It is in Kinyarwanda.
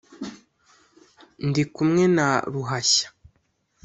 Ndi kumwe na Ruhashya.